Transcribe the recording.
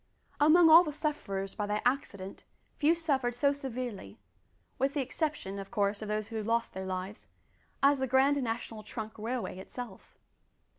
Among all the sufferers by that accident few suffered so severely with the exception: of course, of those who lost their lives as the Grand National Trunk Railway itself.